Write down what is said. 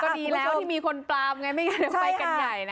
ก็ดีแล้วที่มีคนปลามไงไม่งั้นไปกันใหญ่นะ